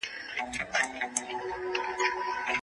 شېرخان ترین د هند امپراطور ته پناه یووړه.